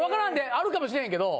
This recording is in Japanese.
あるかもしれへんけど。